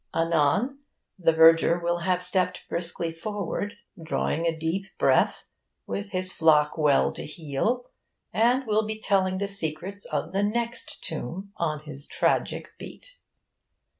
Anon the verger will have stepped briskly forward, drawing a deep breath, with his flock well to heel, and will be telling the secrets of the next tomb on his tragic beat.